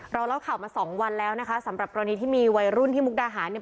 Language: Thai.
เล่าข่าวมาสองวันแล้วนะคะสำหรับกรณีที่มีวัยรุ่นที่มุกดาหารเนี่ย